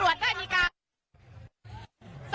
บรรยากาศ